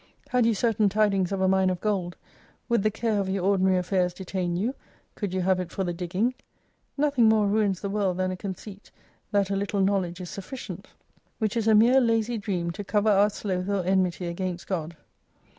Had you certain tidings of a mine of gold, would the care of your ordinary affairs detain you, could you have it for the digging ? Nothing more ruins the world than a con ceit that a little knowledge is sufficient. Which is a mere lazy dream to cover our sloth or enmity against God.